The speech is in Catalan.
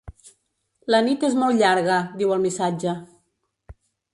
La nit és molt llarga, diu el missatge.